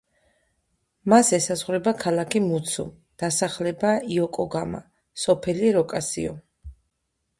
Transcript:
მას ესაზღვრება ქალაქი მუცუ, დასახლება იოკოგამა, სოფელი როკასიო.